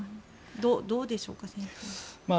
どうでしょうか、先生。